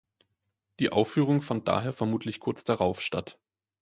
Die Aufführung fand daher vermutlich kurz darauf statt.